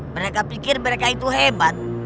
mereka pikir mereka itu hebat